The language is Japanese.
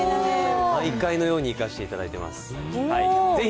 毎回のように行かせていただいています。